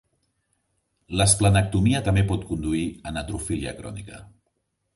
L'esplenectomia també pot conduir a neutrofília crònica.